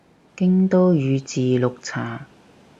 京都宇治綠茶